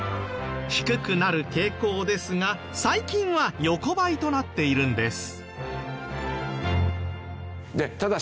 低くなる傾向ですが最近は横ばいとなっているんです。